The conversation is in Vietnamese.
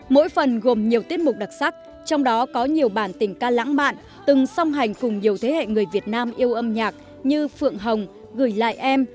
mỗi phần gồm nhiều tiết mục đặc sắc trong đó có nhiều bản tình ca lãng mạn từng song hành cùng nhiều thế hệ người việt nam yêu âm nhạc như phượng hồng gửi lại em